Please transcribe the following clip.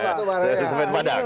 nah itu semen padang